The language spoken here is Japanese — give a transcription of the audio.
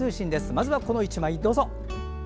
まずはこの１枚、どうぞ。